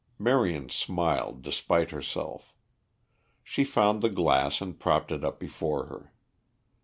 Marion smiled despite herself. She found the glass and propped it up before her.